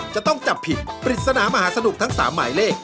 จะต้องจับผิดปริศนามหาสนุกทั้ง๓หมายเลข